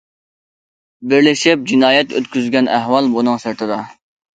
بىرلىشىپ جىنايەت ئۆتكۈزگەن ئەھۋال بۇنىڭ سىرتىدا.